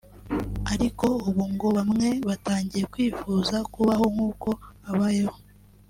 ariko ubu ngo bamwe batangiye kwifuza kubaho nk’uko abayeho